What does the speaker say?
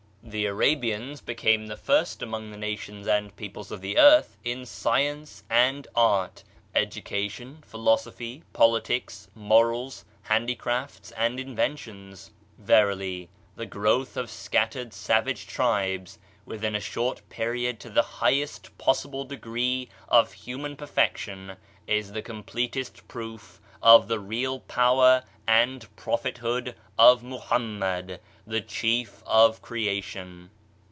The Arabians became the first among the nations and peoples of the earth in science and art, education, philosophy, politics, morals, handi crafts and inventions. Verily, the growth of scat tered savage tribes within a short period to the highest possible degree of human perfection, is the completest proof of the real power and prophethood of Muhammad, the Chief of Cre ation.